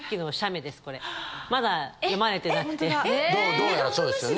どうやらそうですよね。